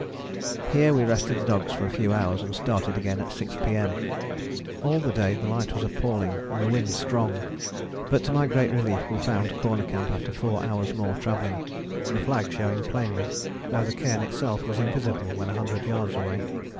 Here we rested the dogs for a few hours, and started again at 6 P.M. All day the light was appalling, and the wind strong, but to my great relief we found Corner Camp after four hours' more travelling, the flag showing plainly, though the cairn itself was invisible when a hundred yards away.